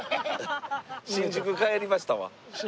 新宿帰りましたわ。